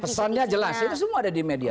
pesannya jelas itu semua ada di media